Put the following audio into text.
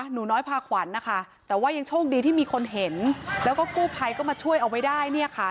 หนูน้อยพาขวัญนะคะแต่ว่ายังโชคดีที่มีคนเห็นแล้วก็กู้ภัยก็มาช่วยเอาไว้ได้เนี่ยค่ะ